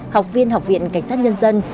học viên học viện cảnh sát nhân dân